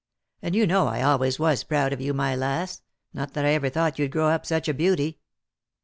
And you know I always was proud of you, my lass ; not that I ever thought you'd grow up such a beauty."